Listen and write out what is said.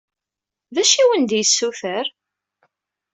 D acu i awen-d-yessuter?